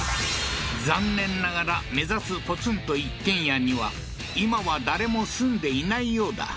残念ながら目指すポツンと一軒家には今は誰も住んでいないようだ